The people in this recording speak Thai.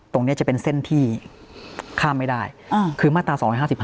ตรงนี้จะเป็นเส้นที่ข้ามไม่ได้คือมาตรา๒๕๕